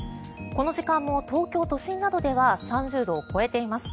この時間も東京都心などでは３０度を超えています。